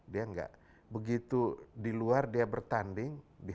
dia nggak begitu di luar dia bertanding